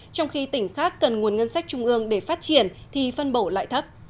trong khi tỉnh khác cần nguồn ngân sách trung ương để phát triển thì phân bổ lại thấp